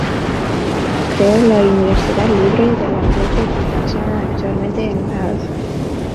Creó la Universidad Libre del Ambiente que funciona actualmente en la Av.